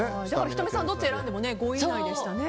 仁美さん、どっち選んでも５位以内でしたね。